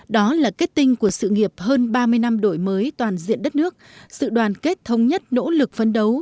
đó là kết tinh của sự nghiệp hơn ba mươi năm đổi mới toàn diện đất nước sự đoàn kết thống nhất nỗ lực phấn đấu